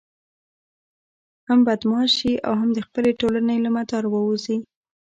هم بدماش شي او هم د خپلې ټولنې له مدار ووزي.